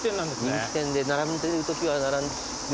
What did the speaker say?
人気店で並んでるときは並んで。